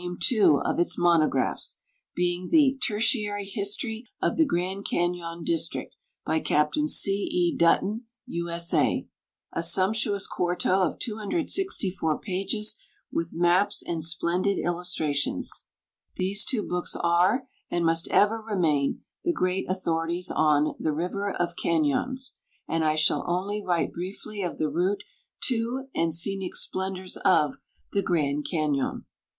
II of its Monographs, being the "Tertiary History of the Grand Cañon District, by Capt. C. E. Dutton, U.S.A.," a sumptuous quarto of 264 pages, with maps and splendid illustrations. These two books are, and must ever remain the great authorities on "The River of Cañons," and I shall only write briefly of the route to and scenic splendors of the Grand Cañon.